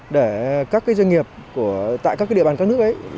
để các doanh nghiệp tại các địa bàn các nước ấy